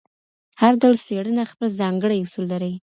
هر ډول څېړنه خپل ځانګړي اصول لري.